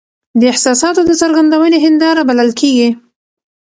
د احساساتو د څرګندوني هنداره بلل کیږي .